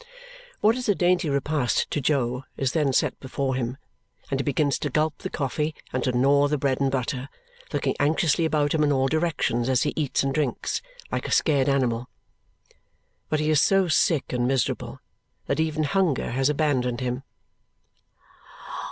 What is a dainty repast to Jo is then set before him, and he begins to gulp the coffee and to gnaw the bread and butter, looking anxiously about him in all directions as he eats and drinks, like a scared animal. But he is so sick and miserable that even hunger has abandoned him.